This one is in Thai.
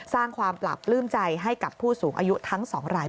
สร้างความปราบปลื้มใจให้กับผู้สูงอายุทั้ง๒ราย